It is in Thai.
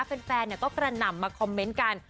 แฟนก็กระหน่ำมาคอมเมนต์กัน